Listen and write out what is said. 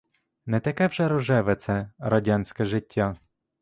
Не таке вже рожеве це радянське життя.